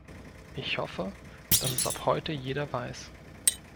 Ich hoffe, dass es ab heute jeder weiß.